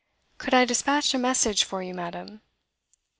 'Could I despatch a message for you, madam?